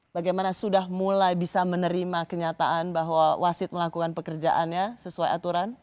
bagaimana sudah mulai bisa menerima kenyataan bahwa wasit melakukan pekerjaannya sesuai aturan